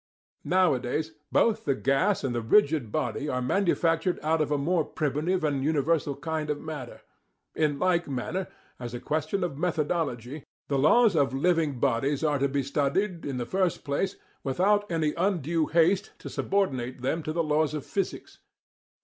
Nowadays both the gas and the rigid body are manufactured out of a more primitive and universal kind of matter. In like manner, as a question of methodology, the laws of living bodies are to be studied, in the first place, without any undue haste to subordinate them to the laws of physics.